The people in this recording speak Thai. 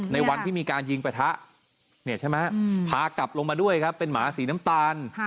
ในวันที่มีการยิงประทะใช่ไหมพากลับลงมาด้วยครับเป็นหมาสีน้ำตาล